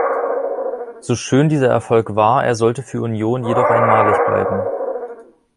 So schön dieser Erfolg war, er sollte für Union jedoch einmalig bleiben.